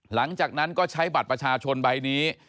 หลังจากนั้นก็ใช้บัตรประชาชนใบนี้